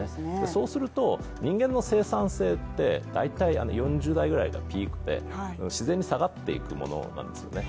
そうすると、人間の生産性って大体４０代くらいがピークで、自然に下がっていくものなんですよね。